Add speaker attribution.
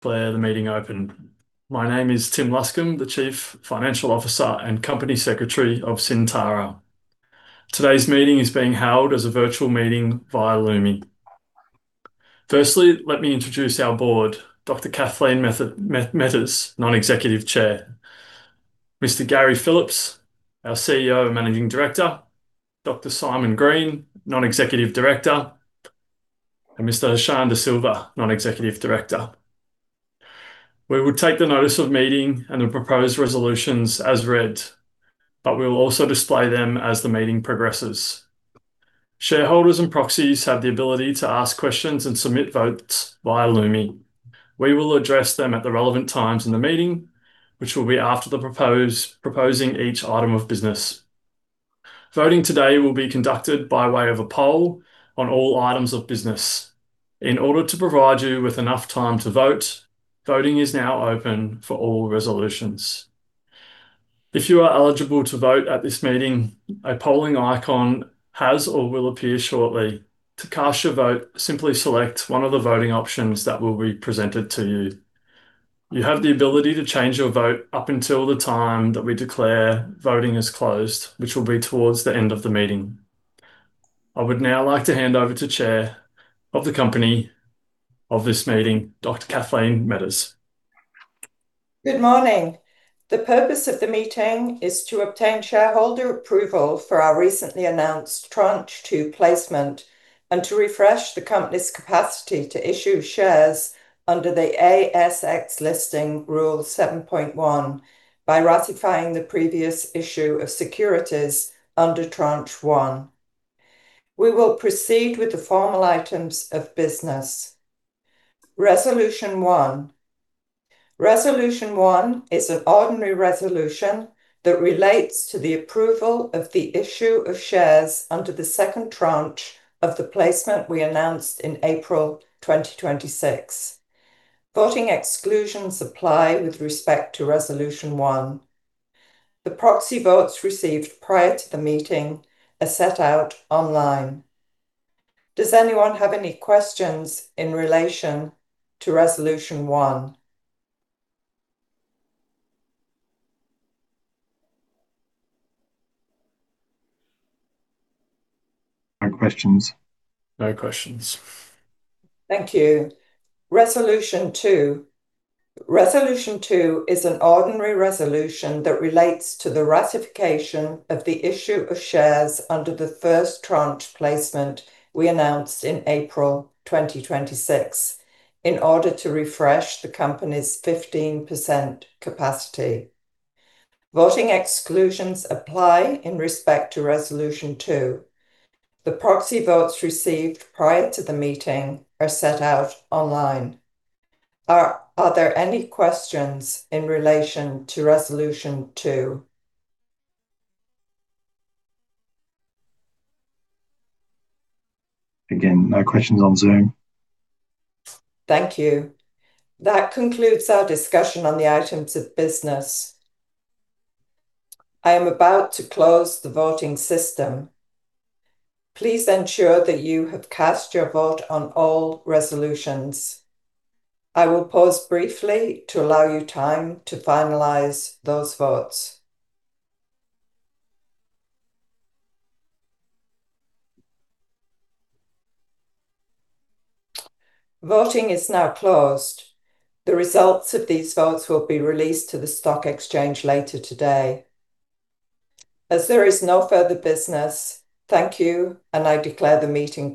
Speaker 1: Declare the meeting open. My name is Tim Luscombe, the Chief Financial Officer and Company Secretary of Syntara. Today's meeting is being held as a virtual meeting via Lumi. Firstly, let me introduce our board, Dr. Kathleen Metters, Non-Executive Chair; Mr. Gary Phillips, our CEO and Managing Director; Dr. Simon Green, Non-Executive Director; and Mr. Hashan De Silva, Non-Executive Director. We will take the notice of meeting and the proposed resolutions as read; we will also display them as the meeting progresses. Shareholders and proxies have the ability to ask questions and submit votes via Lumi. We will address them at the relevant times in the meeting, which will be after proposing each item of business. Voting today will be conducted by way of a poll on all items of business. In order to provide you with enough time to vote, voting is now open for all resolutions. If you are eligible to vote at this meeting, a polling icon has or will appear shortly. To cast your vote, simply select one of the voting options that will be presented to you. You have the ability to change your vote up until the time that we declare voting is closed, which will be towards the end of the meeting. I would now like to hand over to Chair of the company of this meeting, Dr. Kathleen Metters.
Speaker 2: Good morning. The purpose of the meeting is to obtain shareholder approval for our recently announced Tranche two placement and to refresh the company's capacity to issue shares under the ASX Listing Rule 7.1 by ratifying the previous issue of securities under Tranche one. We will proceed with the formal items of business. Resolution one. Resolution one is an ordinary resolution that relates to the approval of the issue of shares under the second tranche of the placement we announced in April 2026. Voting exclusions apply with respect to Resolution one. The proxy votes received prior to the meeting are set out online. Does anyone have any questions in relation to Resolution one?
Speaker 3: No questions.
Speaker 1: No questions.
Speaker 2: Thank you. Resolution two. Resolution two is an ordinary resolution that relates to the ratification of the issue of shares under the first Tranche placement we announced in April 2026 in order to refresh the company's 15% capacity. Voting exclusions apply in respect to Resolution two. The proxy votes received prior to the meeting are set out online. Are there any questions in relation to Resolution two?
Speaker 3: Again, no questions on Zoom.
Speaker 2: Thank you. That concludes our discussion on the items of business. I am about to close the voting system. Please ensure that you have cast your vote on all resolutions. I will pause briefly to allow you time to finalize those votes. Voting is now closed. The results of these votes will be released to the stock exchange later today. As there is no further business, thank you, and I declare the meeting closed.